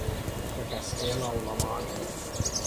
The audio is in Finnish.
Ja käskee laulamaan.